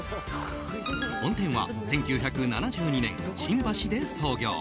本店は１９７２年、新橋で創業。